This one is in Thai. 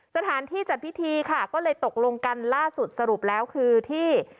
สถานที่จัดพิธีค่ะก็เลยตกลงกันล่าสุดสรุปแล้วคือที่